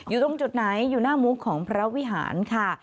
อยู่ตรงจุดไหนอยู่หน้ามุกของพระวิหารค่ะ